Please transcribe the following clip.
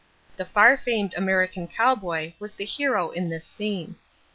The far famed American cowboy was the hero in this scene.